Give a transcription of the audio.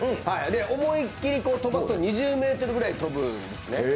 思いきり飛ばすと２０ｍくらい飛ぶんです。